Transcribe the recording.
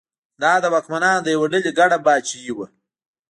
دا د واکمنانو د یوې ډلې ګډه پاچاهي وه.